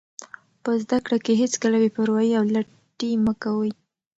په زده کړه کې هېڅکله بې پروایي او لټي مه کوئ.